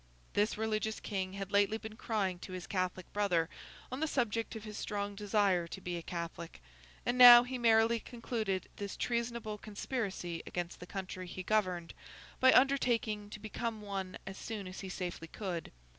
This religious king had lately been crying to his Catholic brother on the subject of his strong desire to be a Catholic; and now he merrily concluded this treasonable conspiracy against the country he governed, by undertaking to become one as soon as he safely could.